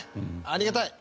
ありがたい。